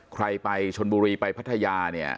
ใครไปชนบุรีไปพัทยา